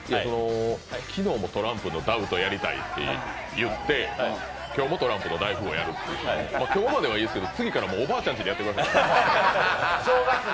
昨日もトランプの「ダウト」やりたいと言って、今日もトランプの大富豪やる、今日まではいいですけど次からおばあちゃんちでやってくださいね。